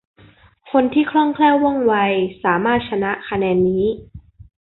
คนที่คล่องแคล่วว่องไวสามารถ ชนะคะแนนนี้